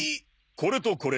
これとこれ。